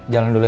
jalan dulu ya